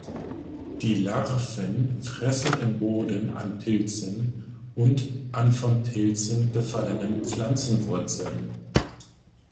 Die Larven fressen im Boden an Pilzen und an von Pilzen befallenen Pflanzenwurzeln.